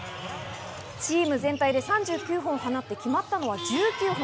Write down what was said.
チーム全体で３９本を放って決まったのは１９本。